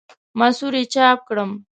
مصور یې چاپ کړم.